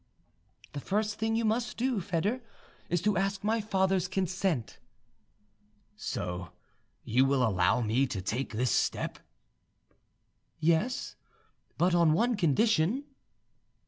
"The first thing you must do, Foedor, is to ask my father's consent." "So you will allow me to take this step?" "Yes, but on one condition."